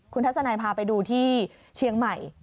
คุณทัศนัยพาไปดูที่เชียงใหม่